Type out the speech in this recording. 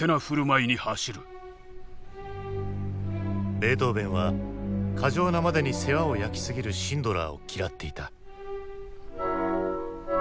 ベートーヴェンは過剰なまでに世話を焼きすぎるシンドラーを嫌っていた。